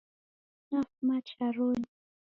Nafuma charonyi